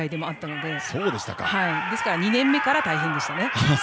ですから２年目から大変でしたね。